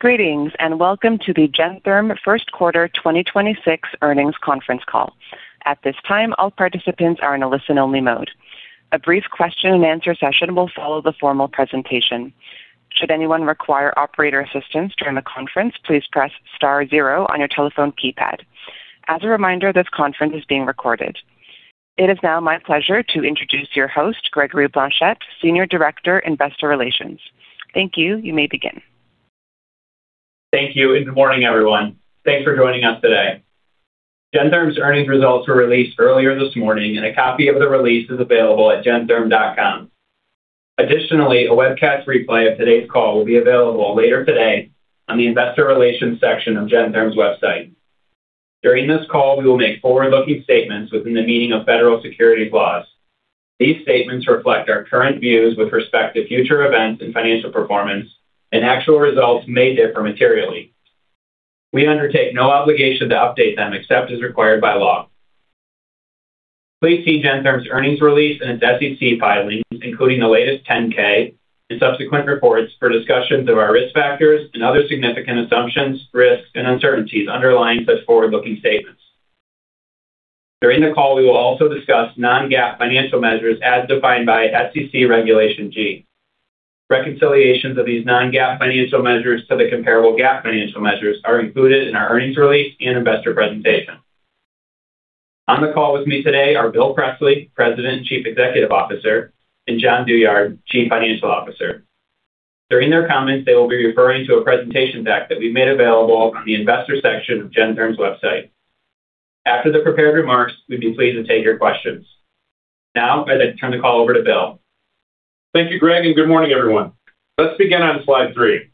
Greetings, and welcome to the Gentherm first quarter 2026 earnings conference call. At this time, all participants are in a listen-only mode. A brief question-and-answer session will follow the formal presentation. Should anyone require operator assistance during the conference, please press star zero on your telephone keypad. As a reminder, this conference is being recorded. It is now my pleasure to introduce your host, Yijing Brentano, Senior Director, Investor Relations. Thank you. You may begin. Thank you, and good morning, everyone. Thanks for joining us today. Gentherm's earnings results were released earlier this morning, and a copy of the release is available at gentherm.com. Additionally, a webcast replay of today's call will be available later today on the Investor Relations section of Gentherm's website. During this call, we will make forward-looking statements within the meaning of federal securities laws. These statements reflect our current views with respect to future events and financial performance, and actual results may differ materially. We undertake no obligation to update them except as required by law. Please see Gentherm's earnings release in its SEC filings, including the latest 10-K, and subsequent reports for discussions of our risk factors and other significant assumptions, risks, and uncertainties underlying such forward-looking statements. During the call, we will also discuss non-GAAP financial measures as defined by SEC Regulation G. Reconciliations of these non-GAAP financial measures to the comparable GAAP financial measures are included in our earnings release and investor presentation. On the call with me today are Bill Presley, President, Chief Executive Officer, and Jonathan Douyard, Chief Financial Officer. During their comments, they will be referring to a presentation deck that we've made available on the Investors section of Gentherm's website. After the prepared remarks, we'd be pleased to take your questions. Now, I'd like to turn the call over to Bill. Thank you, Greg, and good morning, everyone. Let's begin on Slide 3.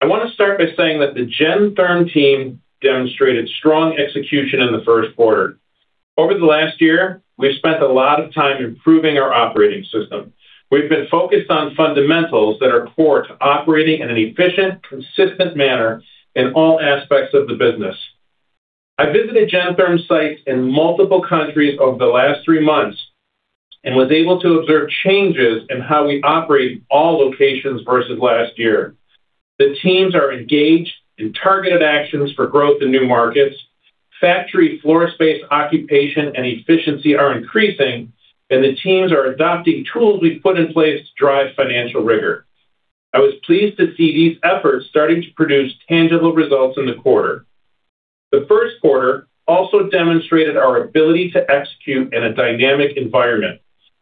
I want to start by saying that the Gentherm team demonstrated strong execution in the first quarter. Over the last year, we've spent a lot of time improving our operating system. We've been focused on fundamentals that are core to operating in an efficient, consistent manner in all aspects of the business. I visited Gentherm sites in multiple countries over the last three months and was able to observe changes in how we operate all locations versus last year. The teams are engaged in targeted actions for growth in new markets. Factory floor space occupation and efficiency are increasing, and the teams are adopting tools we've put in place to drive financial rigor. I was pleased to see these efforts starting to produce tangible results in the quarter. The first quarter also demonstrated our ability to execute in a dynamic environment,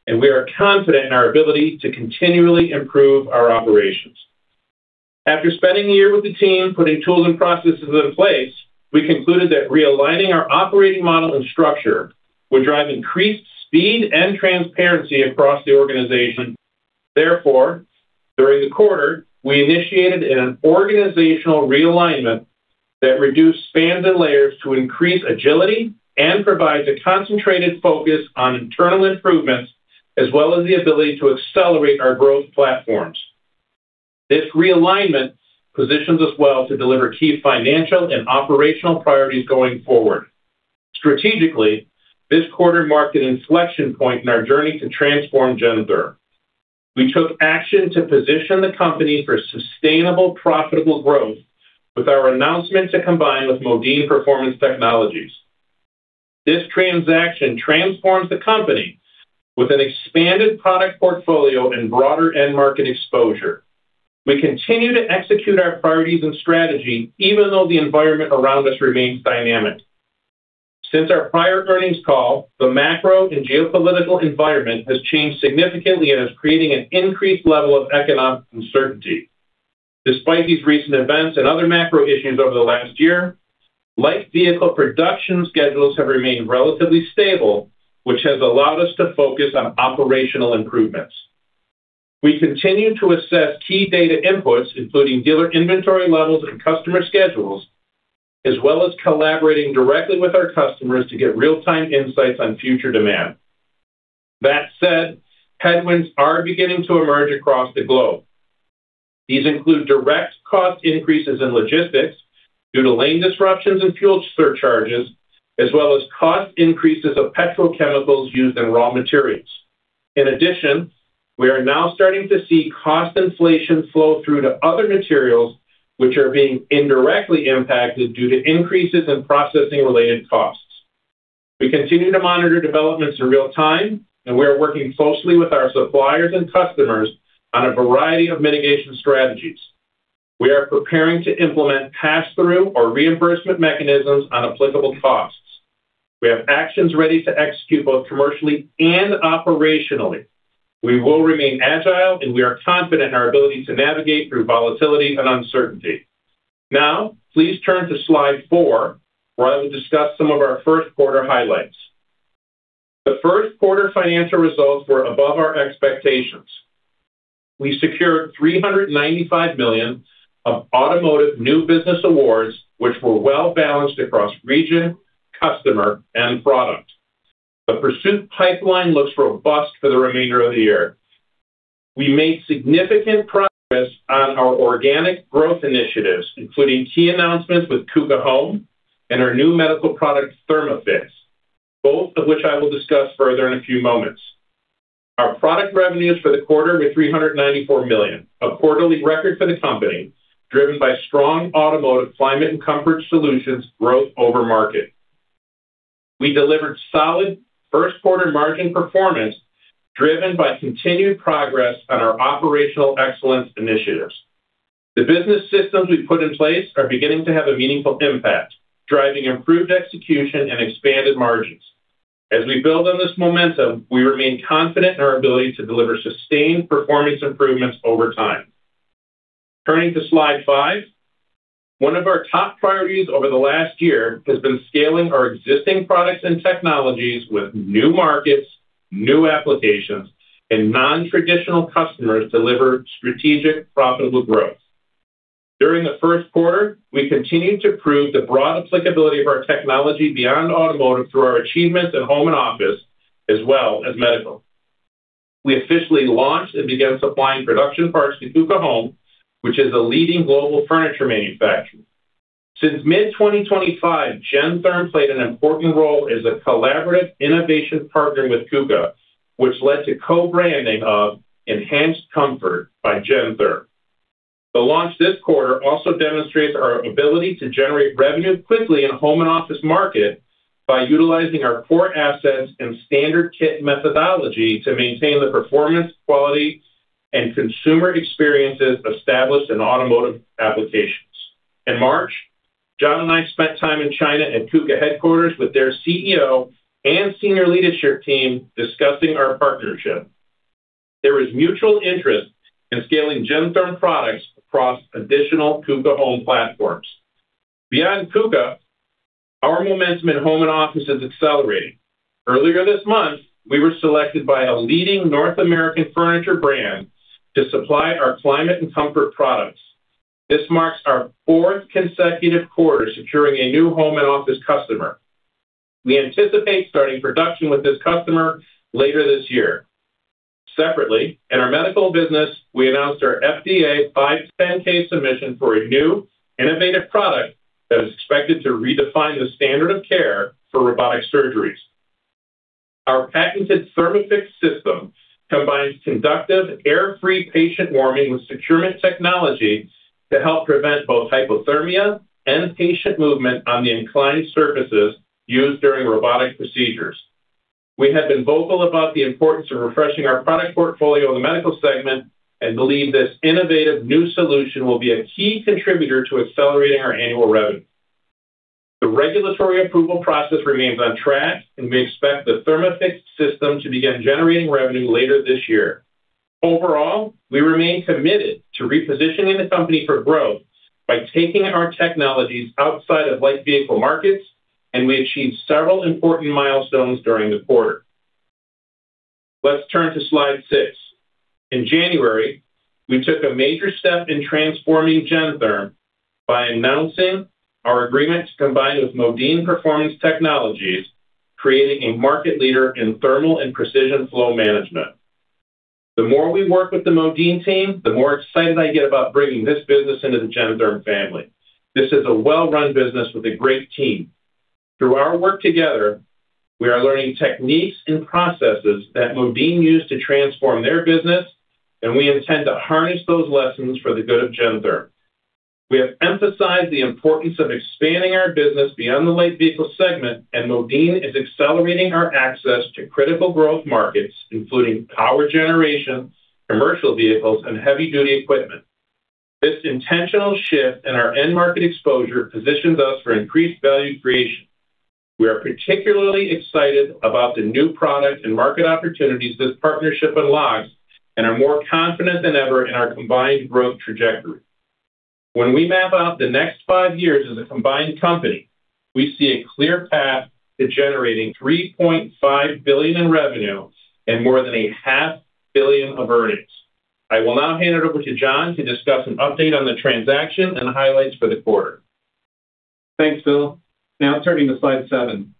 and we are confident in our ability to continually improve our operations. After spending a year with the team putting tools and processes in place, we concluded that realigning our operating model and structure would drive increased speed and transparency across the organization. Therefore, during the quarter, we initiated an organizational realignment that reduced spans and layers to increase agility and provide a concentrated focus on internal improvements as well as the ability to accelerate our growth platforms. This realignment positions us well to deliver key financial and operational priorities going forward. Strategically, this quarter marked an inflection point in our journey to transform Gentherm. We took action to position the company for sustainable, profitable growth with our announcement to combine with Modine Performance Technologies. This transaction transforms the company with an expanded product portfolio and broader end-market exposure. We continue to execute our priorities and strategy even though the environment around us remains dynamic. Since our prior earnings call, the macro and geopolitical environment has changed significantly and is creating an increased level of economic uncertainty. Despite these recent events and other macro issues over the last year, light vehicle production schedules have remained relatively stable, which has allowed us to focus on operational improvements. We continue to assess key data inputs, including dealer inventory levels and customer schedules, as well as collaborating directly with our customers to get real-time insights on future demand. That said, headwinds are beginning to emerge across the globe. These include direct cost increases in logistics due to lane disruptions and fuel surcharges, as well as cost increases of petrochemicals used in raw materials. In addition, we are now starting to see cost inflation flow through to other materials, which are being indirectly impacted due to increases in processing-related costs. We continue to monitor developments in real time, and we are working closely with our suppliers and customers on a variety of mitigation strategies. We are preparing to implement pass-through or reimbursement mechanisms on applicable costs. We have actions ready to execute both commercially and operationally. We will remain agile, and we are confident in our ability to navigate through volatility and uncertainty. Now please turn to Slide 4, where I will discuss some of our first quarter highlights. The first quarter financial results were above our expectations. We secured $395 million of automotive new business awards, which were well-balanced across region, customer, and product. The pursuit pipeline looks robust for the remainder of the year. We made significant progress on our organic growth initiatives, including key announcements with KUKA HOME and our new medical product, ThermAffyx, both of which I will discuss further in a few moments. Our product revenues for the quarter were $394 million, a quarterly record for the company, driven by strong Automotive Climate and Comfort Solutions growth over market. We delivered solid first quarter margin performance, driven by continued progress on our operational excellence initiatives. The business systems we've put in place are beginning to have a meaningful impact, driving improved execution and expanded margins. As we build on this momentum, we remain confident in our ability to deliver sustained performance improvements over time. Turning to Slide 5. One of our top priorities over the last year has been scaling our existing products and technologies with new markets, new applications, and non-traditional customers to deliver strategic profitable growth. During the first quarter, we continued to prove the broad applicability of our technology beyond automotive through our achievements in home and office, as well as medical. We officially launched and began supplying production parts to KUKA HOME, which is a leading global furniture manufacturer. Since mid-2025, Gentherm played an important role as a collaborative innovation partner with KUKA, which led to co-branding of Enhanced Comfort by Gentherm. The launch this quarter also demonstrates our ability to generate revenue quickly in home and office market by utilizing our core assets and standard kit methodology to maintain the performance, quality, and consumer experiences established in automotive applications. In March, Jon and I spent time in China at KUKA headquarters with their CEO and senior leadership team discussing our partnership. There is mutual interest in scaling Gentherm products across additional KUKA HOME platforms. Beyond KUKA, our momentum in home and office is accelerating. Earlier this month, we were selected by a leading North American furniture brand to supply our climate and comfort products. This marks our fourth consecutive quarter securing a new home and office customer. We anticipate starting production with this customer later this year. Separately, in our medical business, we announced our FDA 510(k) submission for a new innovative product that is expected to redefine the standard of care for robotic surgeries. Our patented ThermAffyx system combines conductive air-free patient warming with securement technology to help prevent both hypothermia and patient movement on the inclined surfaces used during robotic procedures. We have been vocal about the importance of refreshing our product portfolio in the medical segment and believe this innovative new solution will be a key contributor to accelerating our annual revenue. The regulatory approval process remains on track, and we expect the ThermAffyx system to begin generating revenue later this year. Overall, we remain committed to repositioning the company for growth by taking our technologies outside of light vehicle markets, and we achieved several important milestones during the quarter. Let's turn to Slide 6. In January, we took a major step in transforming Gentherm by announcing our agreement to combine with Modine Performance Technologies, creating a market leader in thermal and precision flow management. The more we work with the Modine team, the more excited I get about bringing this business into the Gentherm family. This is a well-run business with a great team. Through our work together, we are learning techniques and processes that Modine used to transform their business, and we intend to harness those lessons for the good of Gentherm. We have emphasized the importance of expanding our business beyond the light vehicle segment, and Modine is accelerating our access to critical growth markets, including power generation, commercial vehicles, and heavy-duty equipment. This intentional shift in our end market exposure positions us for increased value creation. We are particularly excited about the new product and market opportunities this partnership unlocks and are more confident than ever in our combined growth trajectory. When we map out the next five years as a combined company, we see a clear path to generating $3.5 billion in revenue and more than a $500 billion of earnings. I will now hand it over to Jon to discuss an update on the transaction and highlights for the quarter. Thanks, Bill. Now turning to Slide 7.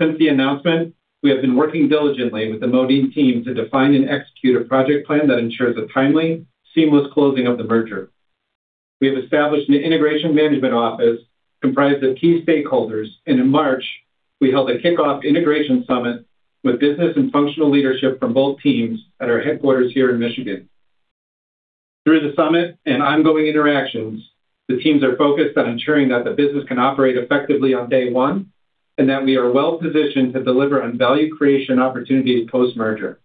Since the announcement, we have been working diligently with the Modine team to define and execute a project plan that ensures a timely, seamless closing of the merger. We have established an integration management office comprised of key stakeholders, and in March, we held a kickoff integration summit with business and functional leadership from both teams at our headquarters here in Michigan. Through the summit and ongoing interactions, the teams are focused on ensuring that the business can operate effectively on day one, and that we are well-positioned to deliver on value creation opportunities post-merger.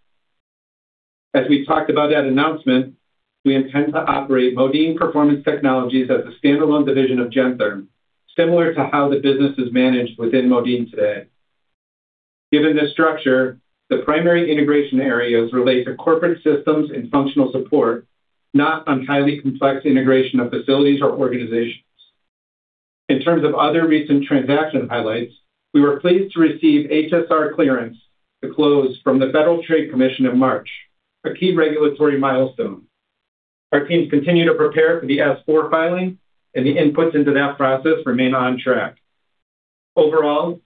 As we talked about at announcement, we intend to operate Modine Performance Technologies as a standalone division of Gentherm, similar to how the business is managed within Modine today. Given this structure, the primary integration areas relate to corporate systems and functional support, not on highly complex integration of facilities or organizations. In terms of other recent transaction highlights, we were pleased to receive HSR clearance to close from the Federal Trade Commission in March, a key regulatory milestone. Our teams continue to prepare for the S-4 filing, and the inputs into that process remain on track. Overall,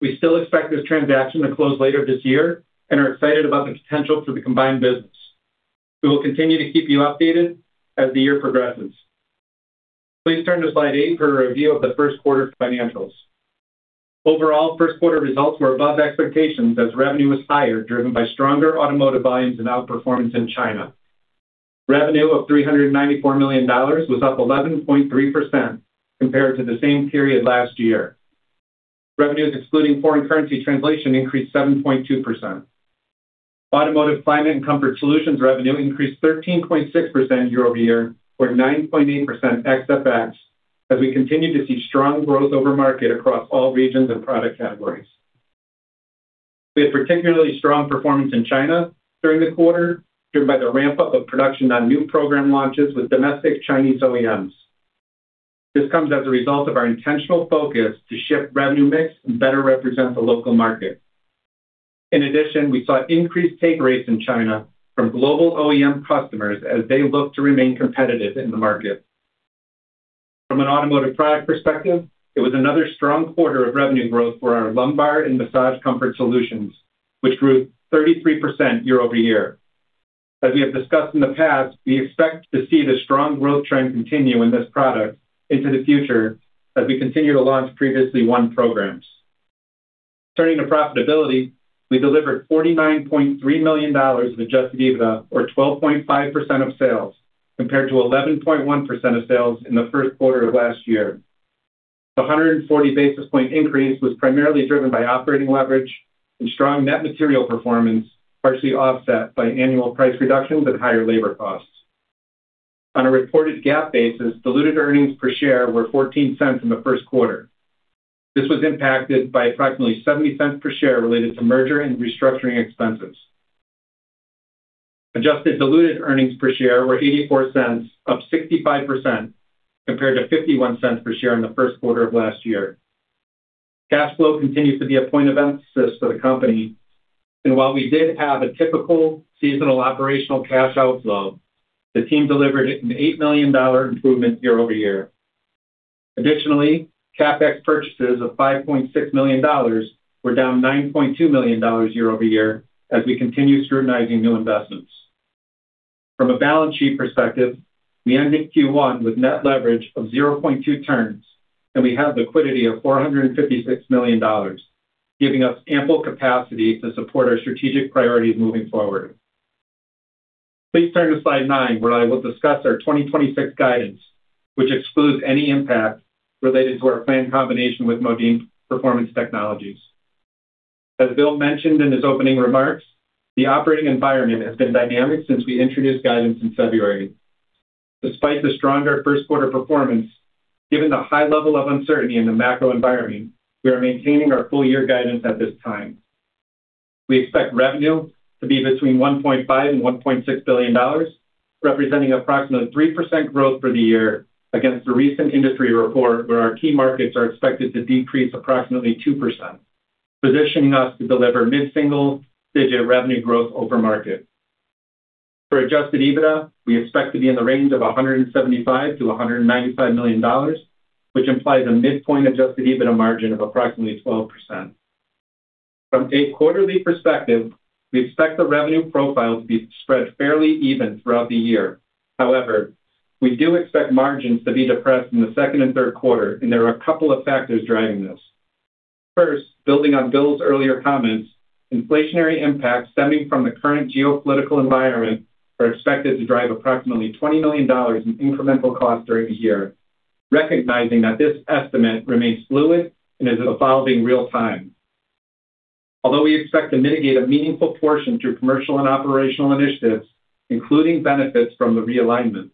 we still expect this transaction to close later this year and are excited about the potential for the combined business. We will continue to keep you updated as the year progresses. Please turn to Slide 8 for a review of the first quarter financials. Overall, first quarter results were above expectations as revenue was higher, driven by stronger automotive volumes and outperformance in China. Revenue of $394 million was up 11.3% compared to the same period last year. Revenues excluding foreign currency translation increased 7.2%. Automotive Climate and Comfort Solutions revenue increased 13.6% year-over-year, or 9.8% ex FX, as we continue to see strong growth over market across all regions and product categories. We had particularly strong performance in China during the quarter, driven by the ramp-up of production on new program launches with domestic Chinese OEMs. This comes as a result of our intentional focus to shift revenue mix and better represent the local market. In addition, we saw increased take rates in China from global OEM customers as they look to remain competitive in the market. From an automotive product perspective, it was another strong quarter of revenue growth for our Lumbar and Massage Comfort Solutions, which grew 33% year-over-year. As we have discussed in the past, we expect to see this strong growth trend continue in this product into the future as we continue to launch previously won programs. Turning to profitability, we delivered $49.3 million in Adjusted EBITDA, or 12.5% of sales, compared to 11.1% of sales in the first quarter of last year. The 140 basis points increase was primarily driven by operating leverage and strong net material performance, partially offset by annual price reductions and higher labor costs. On a reported GAAP basis, diluted earnings per share were $0.14 in the first quarter. This was impacted by approximately $0.70 per share related to merger and restructuring expenses. Adjusted diluted earnings per share were $0.84, up 65%, compared to $0.51 per share in the first quarter of last year. Cash flow continues to be a point of emphasis for the company, and while we did have a typical seasonal operational cash outflow, the team delivered an $8 million improvement year-over-year. Additionally, CapEx purchases of $5.6 million were down $9.2 million year-over-year as we continue scrutinizing new investments. From a balance sheet perspective, we ended Q1 with net leverage of 0.2 turns, and we have liquidity of $456 million, giving us ample capacity to support our strategic priorities moving forward. Please turn to Slide 9, where I will discuss our 2026 guidance, which excludes any impact related to our planned combination with Modine Performance Technologies. As Bill mentioned in his opening remarks, the operating environment has been dynamic since we introduced guidance in February. Despite the stronger first quarter performance, given the high level of uncertainty in the macro environment, we are maintaining our full year guidance at this time. We expect revenue to be between $1.5-$1.6 billion, representing approximately 3% growth for the year against a recent industry report where our key markets are expected to decrease approximately 2%, positioning us to deliver mid-single digit revenue growth over market. For Adjusted EBITDA, we expect to be in the range of $175-$195 million, which implies a midpoint Adjusted EBITDA margin of approximately 12%. From a quarterly perspective, we expect the revenue profile to be spread fairly even throughout the year. However, we do expect margins to be depressed in the second and third quarter, and there are a couple of factors driving this. First, building on Bill's earlier comments, inflationary impacts stemming from the current geopolitical environment are expected to drive approximately $20 million in incremental costs during the year, recognizing that this estimate remains fluid and is evolving real time. Although we expect to mitigate a meaningful portion through commercial and operational initiatives, including benefits from the realignment,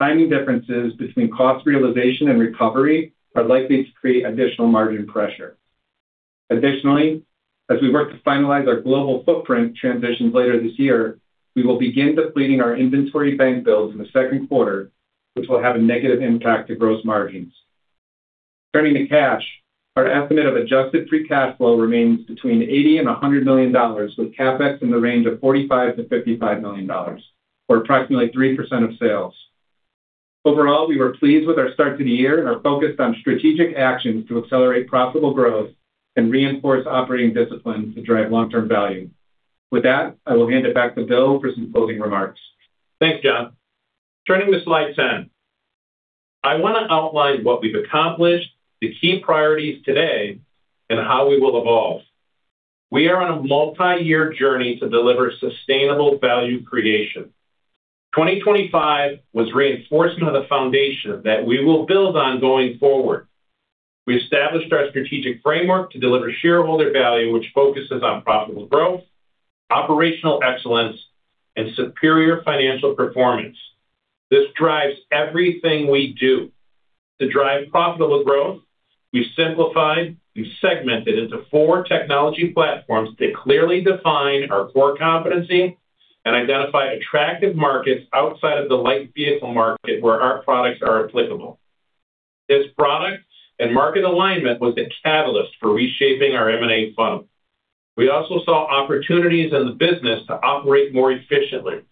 timing differences between cost realization and recovery are likely to create additional margin pressure. Additionally, as we work to finalize our global footprint transitions later this year, we will begin depleting our inventory bank builds in the second quarter, which will have a negative impact to gross margins. Turning to cash, our estimate of adjusted free cash flow remains between $80-$100 million, with CapEx in the range of $45-$55 million, or approximately 3% of sales. Overall, we were pleased with our start to the year and are focused on strategic actions to accelerate profitable growth and reinforce operating discipline to drive long-term value. With that, I will hand it back to Bill for some closing remarks. Thanks, Jon. Turning to Slide 10. I want to outline what we've accomplished, the key priorities today, and how we will evolve. We are on a multi-year journey to deliver sustainable value creation. 2025 was reinforcement of the foundation that we will build on going forward. We established our strategic framework to deliver shareholder value, which focuses on profitable growth, operational excellence, and superior financial performance. This drives everything we do. To drive profitable growth, we've simplified and segmented into four technology platforms to clearly define our core competency and identify attractive markets outside of the light vehicle market where our products are applicable. This product and market alignment was a catalyst for reshaping our M&A funnel. We also saw opportunities in the business to operate more efficiently.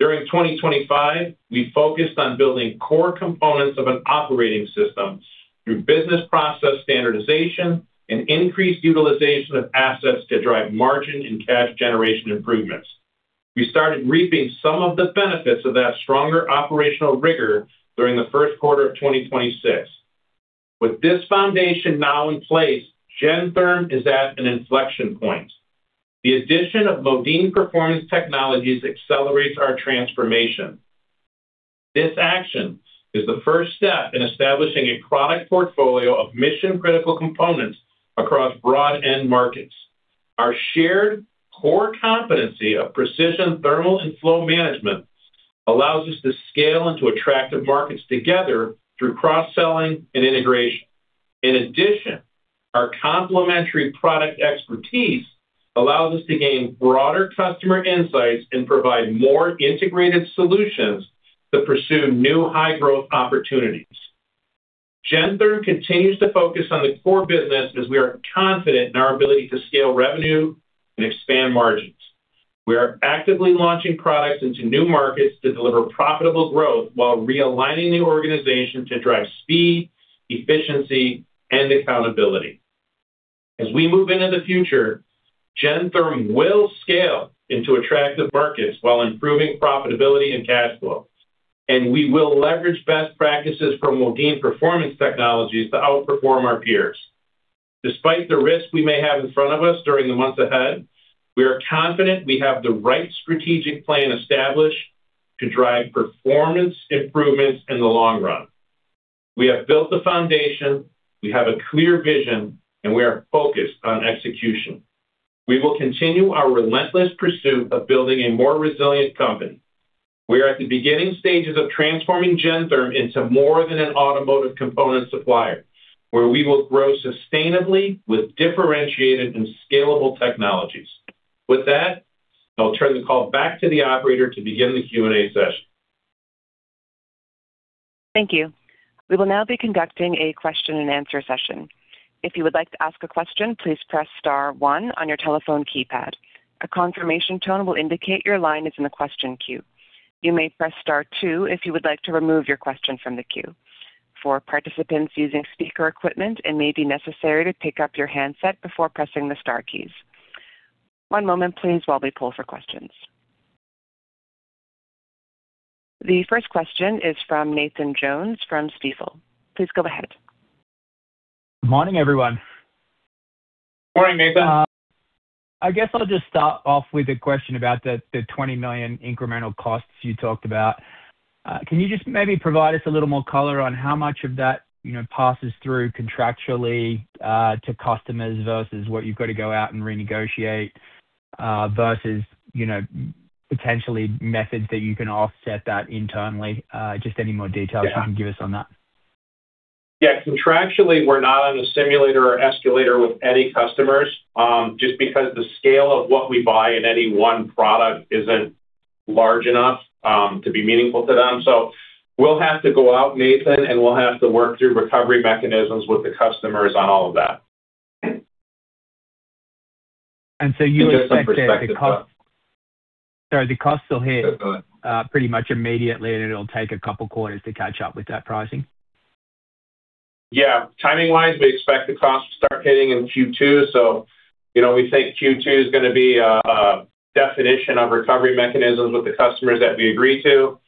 During 2025, we focused on building core components of an operating system through business process standardization and increased utilization of assets to drive margin and cash generation improvements. We started reaping some of the benefits of that stronger operational rigor during the first quarter of 2026. With this foundation now in place, Gentherm is at an inflection point. The addition of Modine Performance Technologies accelerates our transformation. This action is the first step in establishing a product portfolio of mission-critical components across broad end markets. Our shared core competency of precision thermal and flow management allows us to scale into attractive markets together through cross-selling and integration. In addition, our complementary product expertise allows us to gain broader customer insights and provide more integrated solutions that pursue new high-growth opportunities. Gentherm continues to focus on the core business as we are confident in our ability to scale revenue and expand margins. We are actively launching products into new markets to deliver profitable growth while realigning the organization to drive speed, efficiency, and accountability. As we move into the future, Gentherm will scale into attractive markets while improving profitability and cash flow. We will leverage best practices from Modine Performance Technologies to outperform our peers. Despite the risk we may have in front of us during the months ahead, we are confident we have the right strategic plan established to drive performance improvements in the long run. We have built the foundation, we have a clear vision, and we are focused on execution. We will continue our relentless pursuit of building a more resilient company. We are at the beginning stages of transforming Gentherm into more than an automotive component supplier, where we will grow sustainably with differentiated and scalable technologies. With that, I'll turn the call back to the operator to begin the Q&A session. Thank you. We will now be conducting a question and answer session. If you would like to ask a question, please press star one on your telephone keypad. A confirmation tone will indicate your line is in the question queue. You may press star two if you would like to remove your question from the queue. For participants using speaker equipment, it may be necessary to pick up your handset before pressing the star keys. One moment please while we poll for questions. The first question is from Nathan Jones from Stifel. Please go ahead. Morning, everyone. Morning, Nathan. I guess I'll just start off with a question about the $20 million incremental costs you talked about. Can you just maybe provide us a little more color on how much of that passes through contractually to customers versus what you've got to go out and renegotiate, versus potentially methods that you can offset that internally? Just any more details you can give us on that. Yeah. Contractually, we're not on a simulator or escalator with any customers, just because the scale of what we buy in any one product isn't large enough to be meaningful to them. We'll have to go out, Nathan, and we'll have to work through recovery mechanisms with the customers on all of that. You expect the cost- Just some perspective though. Sorry, the cost will hit pretty much immediately, and it'll take a couple of quarters to catch up with that pricing? Yeah. Timing-wise, we expect the cost to start hitting in Q2. We think Q2 is going to be a definition of recovery mechanisms with the customers that we agree to,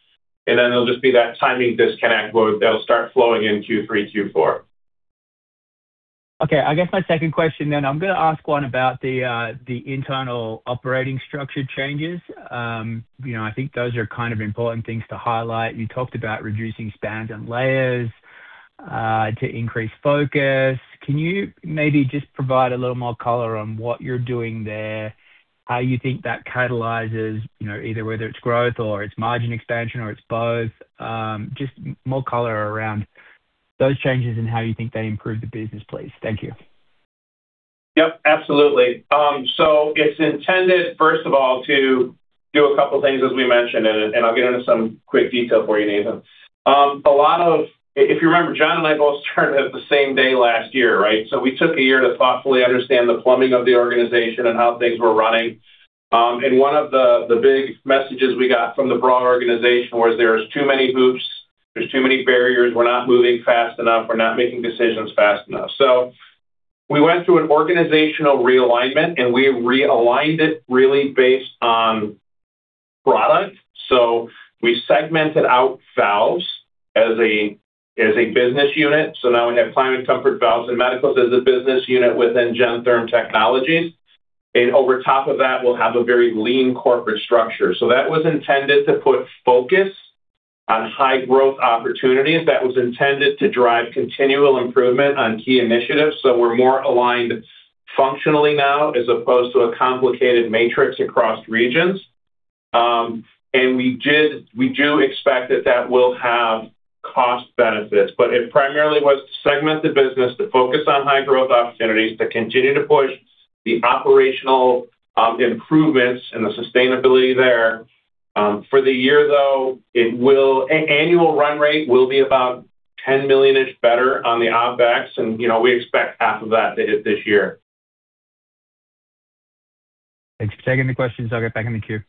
and then it'll just be that timing disconnect where they'll start flowing in Q3, Q4. Okay. I guess my second question then, I'm going to ask one about the internal operating structure changes. I think those are important things to highlight. You talked about reducing spans and layers to increase focus. Can you maybe just provide a little more color on what you're doing there? How you think that catalyzes, either whether it's growth or it's margin expansion or it's both. Just more color around those changes and how you think they improve the business, please. Thank you. Yep, absolutely. It's intended, first of all, to do a couple things as we mentioned, and I'll get into some quick detail for you, Nathan. If you remember, John and I both started at the same day last year, right? We took a year to thoughtfully understand the plumbing of the organization and how things were running. One of the big messages we got from the broad organization was there is too many hoops, there's too many barriers, we're not moving fast enough, we're not making decisions fast enough. We went through an organizational realignment, and we realigned it really based on product. We segmented out valves as a business unit. Now we have climate comfort valves, and medicals as a business unit within Gentherm Technologies. Over top of that, we'll have a very lean corporate structure. That was intended to put focus on high growth opportunities, that was intended to drive continual improvement on key initiatives. We're more aligned functionally now as opposed to a complicated matrix across regions. We do expect that will have cost benefits. It primarily was to segment the business, to focus on high growth opportunities, to continue to push the operational improvements and the sustainability there. For the year, though, annual run rate will be about $10 million-ish better on the OpEx, and we expect half of that to hit this year. Thanks. Second the questions. I'll get back in the queue.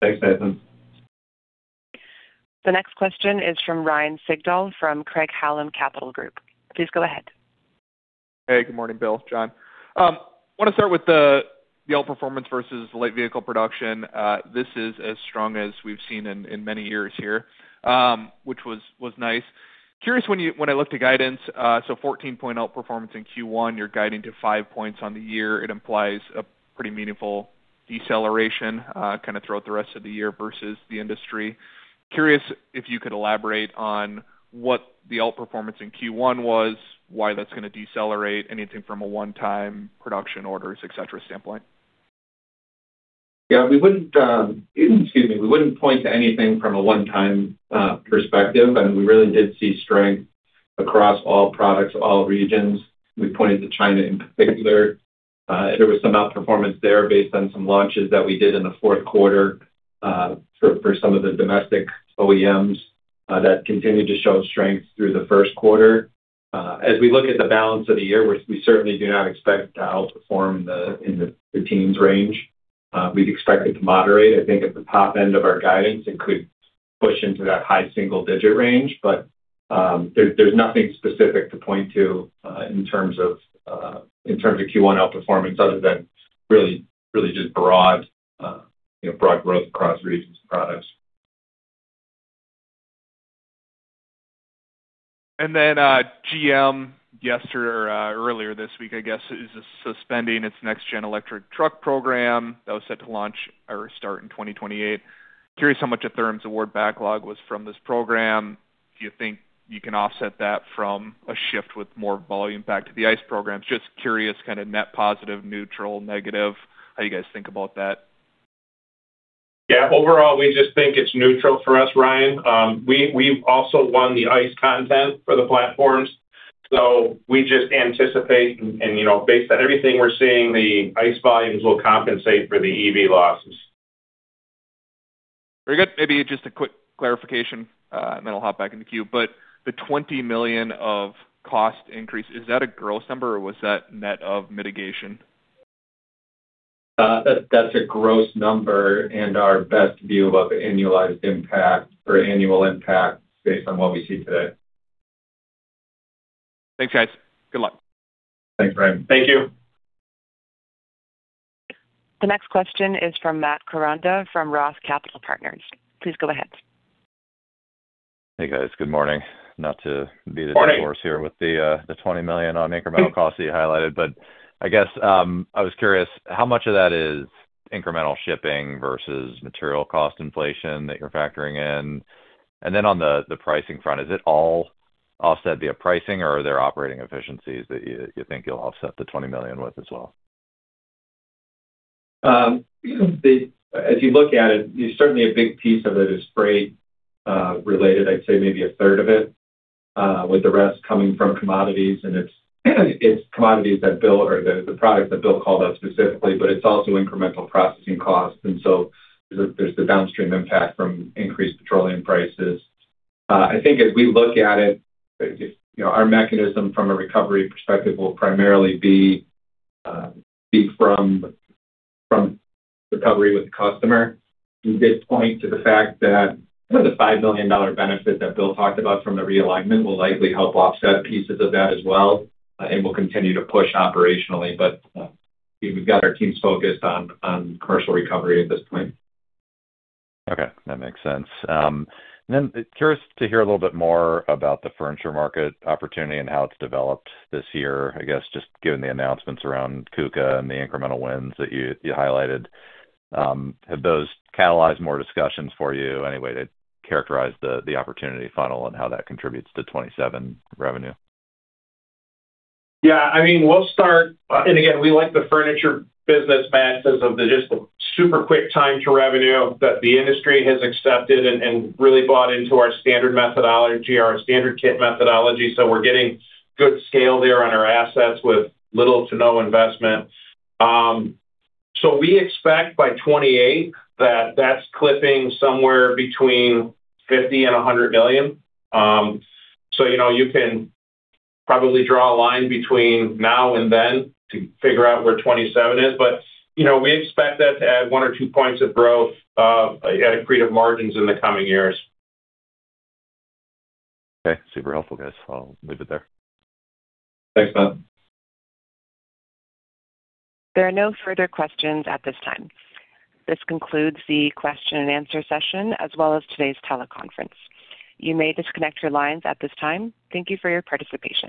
Thanks, Nathan. The next question is from Ryan Sigdahl from Craig-Hallum Capital Group. Please go ahead. Hey, good morning, Bill, John. I want to start with the outperformance versus light vehicle production. This is as strong as we've seen in many years here, which was nice. Curious, when I look to guidance, so 14-point outperformance in Q1, you're guiding to five points on the year. It implies a pretty meaningful deceleration kind of throughout the rest of the year versus the industry. Curious if you could elaborate on what the outperformance in Q1 was, why that's going to decelerate, anything from a one-time production orders, et cetera, standpoint. Yeah. We wouldn't point to anything from a one-time perspective. We really did see strength across all products, all regions. We pointed to China in particular. There was some outperformance there based on some launches that we did in the fourth quarter for some of the domestic OEMs that continued to show strength through the first quarter. As we look at the balance of the year, we certainly do not expect to outperform in the teens range. We'd expect it to moderate. I think at the top end of our guidance, it could push into that high single-digit range. There's nothing specific to point to in terms of Q1 outperformance other than really just broad growth across regions and products. GM earlier this week, I guess, is suspending its next-gen electric truck program that was set to launch or start in 2028. Curious how much of Gentherm's award backlog was from this program. Do you think you can offset that from a shift with more volume back to the ICE program? Just curious, kind of net positive, neutral, negative, how you guys think about that. Yeah. Overall, we just think it's neutral for us, Ryan. We've also won the ICE content for the platforms. We just anticipate and based on everything we're seeing, the ICE volumes will compensate for the EV losses. Very good. Maybe just a quick clarification, and then I'll hop back in the queue. The $20 million of cost increase, is that a gross number, or was that net of mitigation? That's a gross number and our best view of the annualized impact or annual impact based on what we see today. Thanks, guys. Good luck. Thanks, Ryan. Thank you. The next question is from Matthew Koranda from ROTH Capital Partners. Please go ahead. Hey, guys. Good morning. Not to be the dark horse here with the $20 million on incremental costs that you highlighted, but I guess I was curious how much of that is incremental shipping versus material cost inflation that you're factoring in? On the pricing front, is it all offset via pricing, or are there operating efficiencies that you think you'll offset the $20 million with as well? As you look at it, certainly, a big piece of it is freight related. I'd say maybe a third of it, with the rest coming from commodities. It's commodities that Bill or the product that Bill called out specifically, but it's also incremental processing costs. There's the downstream impact from increased petroleum prices. I think as we look at it, our mechanism from a recovery perspective will primarily be from recovery with the customer. We did point to the fact that the $5 million benefit that Bill talked about from the realignment will likely help offset pieces of that as well and will continue to push operationally. We've got our teams focused on commercial recovery at this point. Okay. That makes sense. Curious to hear a little bit more about the furniture market opportunity and how it's developed this year, I guess, just given the announcements around KUKA and the incremental wins that you highlighted. Have those catalyzed more discussions for you anyway to characterize the opportunity funnel and how that contributes to 2027 revenue? Yeah. We'll start, and again, we like the furniture business, Matt, because of just the super quick time to revenue that the industry has accepted and really bought into our standard methodology, our standard kit methodology. We're getting good scale there on our assets with little to no investment. We expect by 2028 that that's clipping somewhere between $50 million and $100 million. You can probably draw a line between now and then to figure out where 2027 is. We expect that to add 1%-2% growth at accretive margins in the coming years. Okay. Super helpful, guys. I'll leave it there. Thanks, Matt. There are no further questions at this time. This concludes the question and answer session, as well as today's teleconference. You may disconnect your lines at this time. Thank you for your participation.